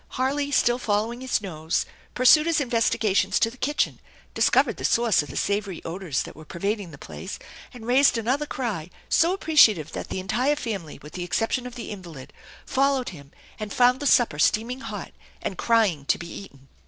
Harley, still following his nose, pursued his investigations to the kitchen, discovered the source of the savory odors that were pervading the place, and raised another cry so appreciative that the entire family, with the exception of the invalid, followed him and found the supper steaming hot and crying to he eaten.